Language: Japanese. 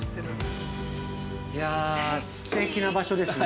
◆いや、すてきな場所ですね。